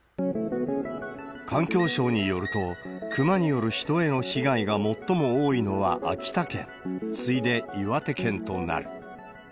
環境省によると、クマによる人への被害が最も多いのは秋田県、次いで岩手県となる。